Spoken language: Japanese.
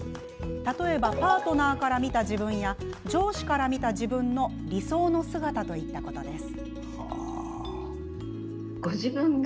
例えばパートナーから見た自分や上司から見た自分の理想の姿といったことです。